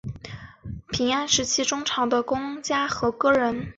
藤原兼辅是平安时代中期的公家和歌人。